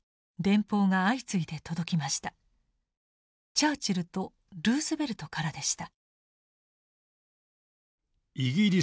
チャーチルとルーズベルトからでした。